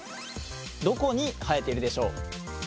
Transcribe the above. どこに生えているでしょう？